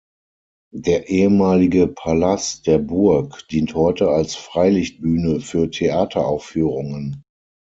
Der ehemalige Palas der Burg dient heute als Freilichtbühne für Theateraufführungen.